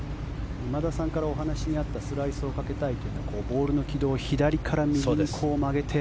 今田さんからお話にあったスライスをかけたいというボールの軌道を左から右に曲げて。